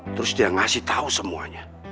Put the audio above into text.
terus dia ngasih tahu semuanya